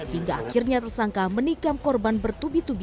hingga akhirnya tersangka menikam korban bertubi tubi